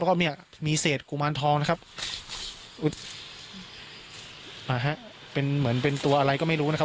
แล้วก็เนี่ยมีเศษกุมารทองนะครับเป็นเหมือนเป็นตัวอะไรก็ไม่รู้นะครับ